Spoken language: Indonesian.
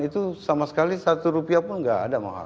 itu sama sekali satu rupiah pun nggak ada mahal